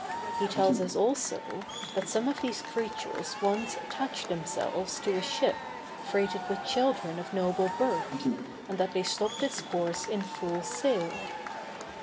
He tells us, also, that some of these creatures once attached themselves to a ship freighted with children of noble birth, and that they stopped its course in full sail.